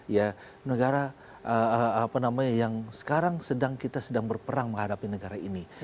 ya negara yang sekarang kita sedang berperang menghadapi negara ini